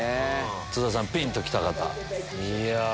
津田さんピンと来た方。